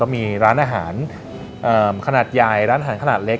มีร้านอาหารขนาดใหญ่ร้านอาหารขนาดเล็ก